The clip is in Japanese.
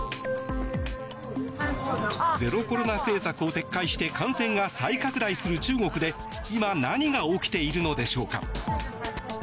ゼロコロナ政策を撤回して感染が再拡大する中国で今、何が起きているのでしょうか。